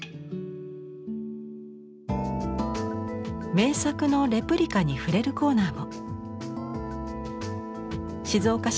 名作のレプリカに触れるコーナーも。